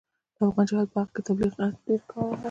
د افغان جهاد په حق کې تبلیغات ډېر وو.